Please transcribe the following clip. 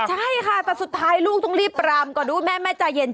ใช่ค่ะแต่สุดท้ายลูกต้องรีบปรามก่อนด้วยแม่แม่ใจเย็น